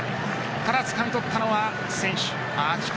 ただ、つかみ取ったのは選手。